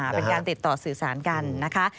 เป็นการติดต่อสื่อสารกันนะคะ